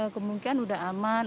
kemungkinan udah aman